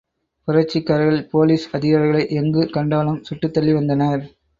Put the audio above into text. புரட்சிக்காரர்கள் police அதிகாரிகளை எங்கு கண்டாலும் சுட்டுத்தள்ளி வந்தனர்.